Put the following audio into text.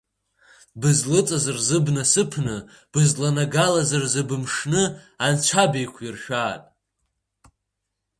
Бызлыҵыз рзы бнасыԥны, бызланагалаз рзы бымшны анцәа беиқәиршәаат!